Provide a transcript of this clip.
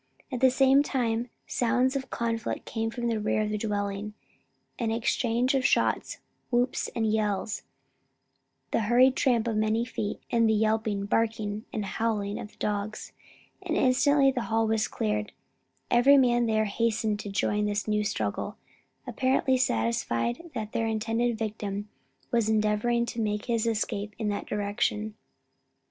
At the same time sounds of conflict came from the rear of the dwelling, an exchange of shots, whoops and yells, the hurried tramp of many feet, and the yelping, barking and howling of the dogs and instantly the hall was cleared, every man there hastening to join in this new struggle, apparently satisfied that their intended victim was endeavoring to make his escape in that direction.